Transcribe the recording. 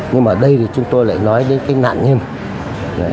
nhưng mà đây thì chúng tôi lại nói đến cái nạn nhân